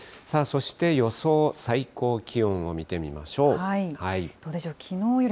さあそして、予想最高気温を見てみましょう。